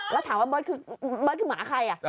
แล้วถามว่าเบิร์ดคือหมาใคร